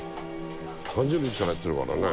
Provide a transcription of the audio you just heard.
３０日からやってるからね。